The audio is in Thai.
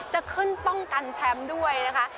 จะขึ้นป้องกันแชมป์ด้วยนะคะ